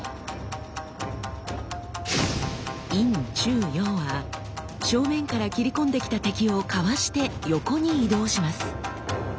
「陰中陽」は正面から斬り込んできた敵をかわして横に移動します。